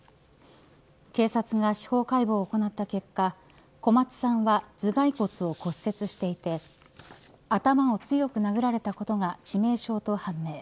警察が司法解剖を行った結果小松さんは頭がい骨を骨折していて頭を強く殴られたことが致命傷と判明。